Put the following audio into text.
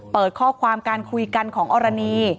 เปิดข้อความการคุยกันของอรณี